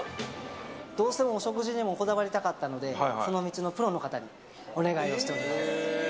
どうしても、食事にもこだわりたかったので、その道のプロの方にお願いをしております。